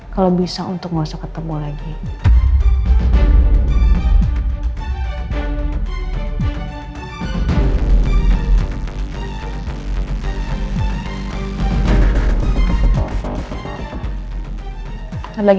kalau bisa untuk gak usah ketemu lagi